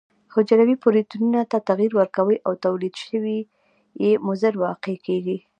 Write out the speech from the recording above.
حجروي پروتینونو ته تغیر ورکوي او تولید شوي یې مضر واقع کیږي.